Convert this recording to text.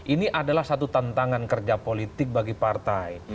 ini adalah satu tantangan kerja politik bagi partai